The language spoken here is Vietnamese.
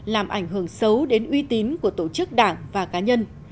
làm ảnh hưởng xấu đến uy tín của tổ chức đảng và cá nhân